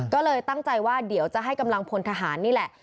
ก็เลยตั้งใจว่าเดี๋ยวจะให้กำลังพลทหารนี่แหละ